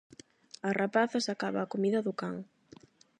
A rapaza sacaba a comida do can.